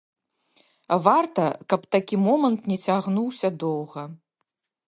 Варта, каб такі момант не цягнуўся доўга.